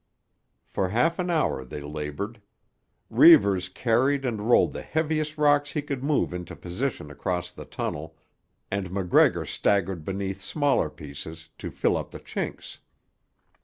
For half an hour they laboured. Reivers carried and rolled the heaviest rocks he could move into position across the tunnel, and MacGregor staggered beneath smaller pieces to fill up the chinks.